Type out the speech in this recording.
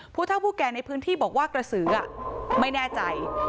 ผู้เท่าผู้แก่ในพื้นที่บอกว่ากระสือไม่แน่ใจ